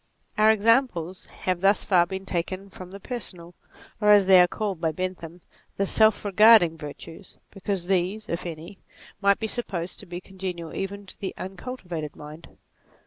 Our examples have thus far been taken from the personal, or as they are called by Bentham, the self regarding virtues, because these, if any, might be sup posed to be congenial even to the uncultivated mind.